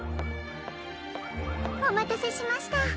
おまたせしました。